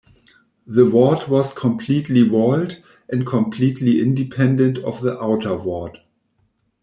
The ward was completely walled and completely independent of the outer ward.